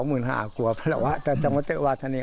๒๕๐๐๐บาทกลัวประวัติธรรมติวัฒนิกออก